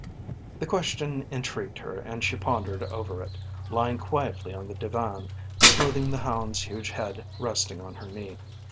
The question intrigued her and she pondered over it, lying quietly on the divan, smoothing the hound's huge head resting on her knee.